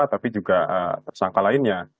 tapi juga tersangka lainnya